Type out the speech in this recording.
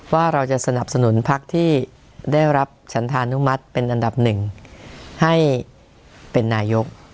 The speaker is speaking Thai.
ว่าเราจะสนับสนุนพักที่ได้รับฉันธานุมัติเป็นอันดับหนึ่งให้เป็นนายก